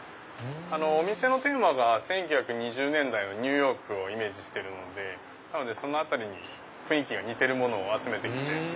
お店のテーマが１９２０年代のニューヨークをイメージしてるのでそのあたりに雰囲気が似てるものを集めて来て。